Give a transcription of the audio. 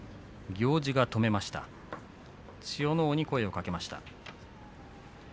行司が止めました千代ノ皇に声をかけました。